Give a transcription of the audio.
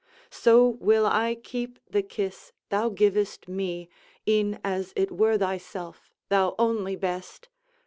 "So will I keep the kiss thou givest me E'en as it were thyself, thou only best!